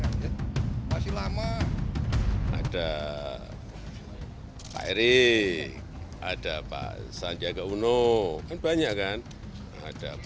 sebagai ketua partai pusat pembangunan mengajak kib